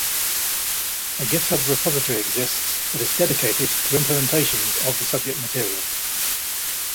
A Github repository exists that is dedicated to implementations of the subject material.